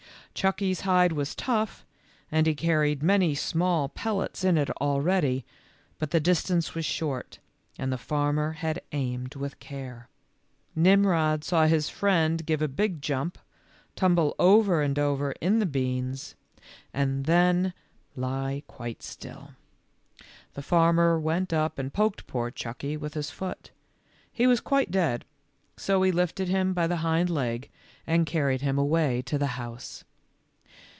Chucky 's hide was tough and he carried many small pel lets in it already, but the distance was short, and the farmer had aimed with care. Mmrod saw his friend give a big jump, tumble over and over in the beans, and then CHUCKV REARED CAUTIOUSLY UPON HIS HIND LEGS. CHUCKY' S LAST BREAKFAST. 39 lie quite still. The farmer went up and poked poor Chucky with his foot. He was quite dead, so he lifted him by the hind leg and carried him away to the house.